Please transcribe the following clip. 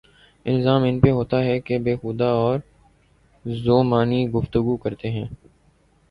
الزام ان پہ ہوتاہے کہ بیہودہ اورذومعنی گفتگو کرتے ہیں۔